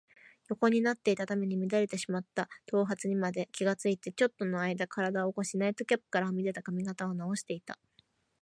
横になっていたために乱れてしまった頭髪にまで気がついて、ちょっとのあいだ身体を起こし、ナイトキャップからはみ出た髪形をなおしていた。